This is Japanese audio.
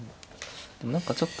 でも何かちょっと。